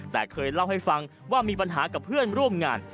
แต่เคยเล่าให้ฟังว่ามีปัญหากับเพื่อนร่วมงาน